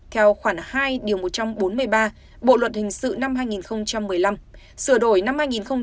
theo khoản hai điều một trăm bốn mươi ba bộ luật hình sự năm hai nghìn một mươi năm sửa đổi năm hai nghìn một mươi bảy